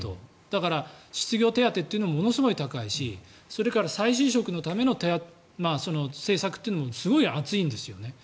だから、失業手当っていうのもものすごく高いしそれから再就職のための政策というのもすごい厚いんですよね。